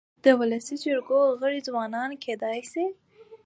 د ولسي جرګو غړي ځوانان کيدای سي.